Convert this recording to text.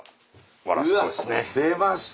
出ました！